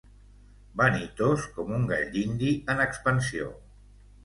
Vanitós com un gall dindi en expansió.